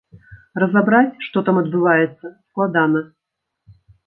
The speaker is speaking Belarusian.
Разабраць, што там адбываецца, складана.